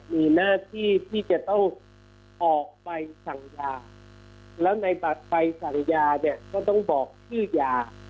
มีหน้าที่ที่จะต้องออกไปสั่งยาแล้วในบัตรใบสั่งยาเนี่ยก็ต้องบอกชื่อยา